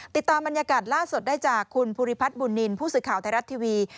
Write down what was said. ติดตามบรรยากาศล่าสุดได้จากคุณภูริพัฒน์บุญนินทร์ผู้สื่อข่าวไทยรัฐทีวี